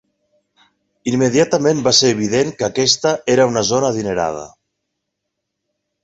Immediatament va ser evident que aquesta era una zona adinerada.